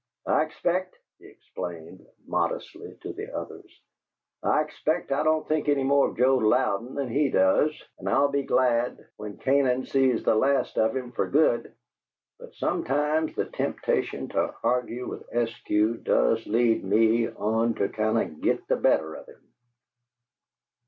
"I expect," he explained, modestly, to the others, "I expect I don't think any more of Joe Louden than he does, and I'll be glad when Canaan sees the last of him for good; but sometimes the temptation to argue with Eskew does lead me on to kind of git the better of him."